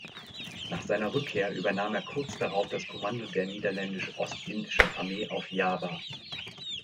Nach seiner Rückkehr übernahm er kurz darauf das Kommando der niederländisch-ostindischen Armee auf Java.